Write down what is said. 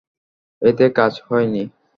এতে কাজ হয়নি।